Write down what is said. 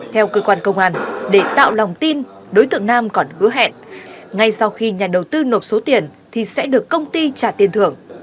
theo cơ quan công an để tạo lòng tin đối tượng nam còn hứa hẹn ngay sau khi nhà đầu tư nộp số tiền thì sẽ được công ty trả tiền thưởng